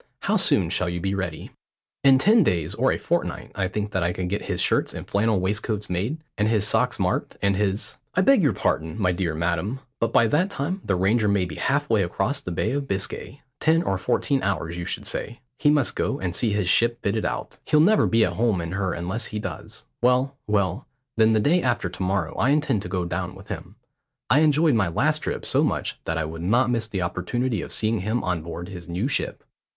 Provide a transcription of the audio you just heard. How soon shall you be ready?" "In ten days or a fortnight I think that I could get his shirts and flannel waistcoats made, and his socks marked, and his " "I beg your pardon, my dear madam, but by that time the Ranger may be halfway across the Bay of Biscay. Ten or fourteen hours you should say. He must go and see his ship fitted out. He'll never be at home in her unless he does. Well, well, then the day after to morrow I intend to go down with him. I enjoyed my last trip so much that I would not miss the opportunity of seeing him on board his new ship.